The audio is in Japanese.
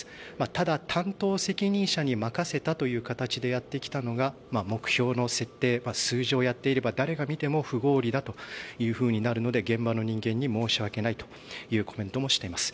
ただ、担当責任者に任せたという形でやってきたのが目標の設定数字をやっていれば誰が見ても不合理だとなるので現場の人間に申し訳ないというコメントもしています。